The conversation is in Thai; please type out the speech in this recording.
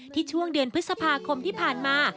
ช่วงเดือนพฤษภาคมที่ผ่านมา